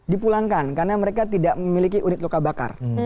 dipulangkan karena mereka tidak memiliki unit luka bakar